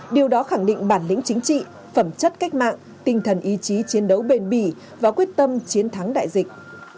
điều đó khẳng định bản lĩnh chính trị phẩm chất cách mạng tinh thần ý chí chiến đấu bền bỉ và quyết tâm chiến thắng đại dịch